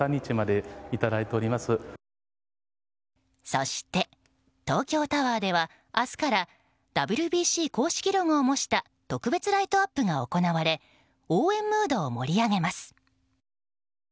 そして東京タワーでは明日からＷＢＣ公式ロゴを模した特別ライトアップが行われ応援ムードを盛り上げます。